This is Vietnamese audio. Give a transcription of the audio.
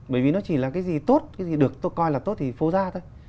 bởi vì nó chỉ là cái gì tốt cái gì được tôi coi là tốt thì phố ra thôi